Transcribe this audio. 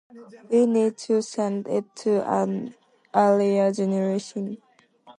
We need to send it to an earlier generation.